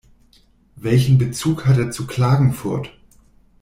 Welchen Bezug hat er zu Klagenfurt?